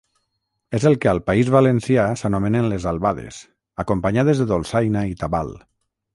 És el que al País Valencià s'anomenen les albades, acompanyades de dolçaina i tabal.